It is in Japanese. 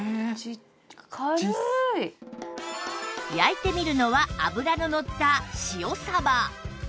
焼いてみるのは油ののった塩サバ